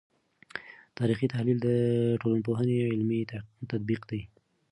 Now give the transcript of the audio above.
تاریخي تحلیل د ټولنپوهنې علمي تطبیق دی.